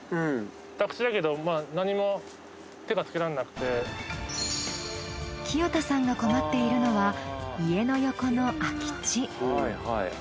宅地だけどまあ清田さんが困っているのは家の横の空き地。